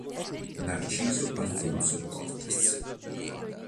Narciso Alonso Cortés